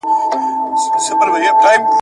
زما د زانګو زما د مستۍ زما د نڅا کلی دی ..